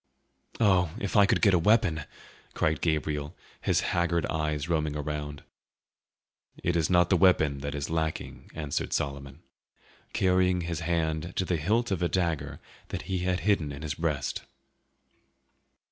"Oh, if I could get a weapon!" cried Gabriel, his haggard eyes roaming around. "It is not the weapon that is lacking," answered Solomon, carrying his hand to the hilt of a dagger that he had hidden in his breast.